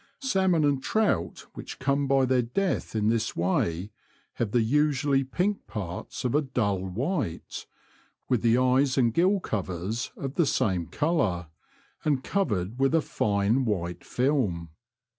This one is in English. Salmon and trout which come by their death in this way have the usually pink parts of a dull white, with the eyes and gill covers of the same colour, and covered with a fine white film.